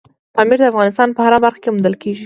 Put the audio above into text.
پامیر د افغانستان په هره برخه کې موندل کېږي.